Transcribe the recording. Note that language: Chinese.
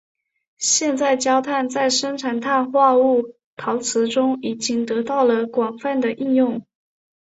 现在焦炭在生产碳化物陶瓷中已经得到了广泛的应用。